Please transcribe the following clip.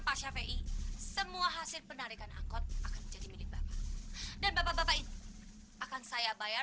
pasca fi semua hasil penarikan angkot akan jadi milik bapak dan bapak akan saya bayar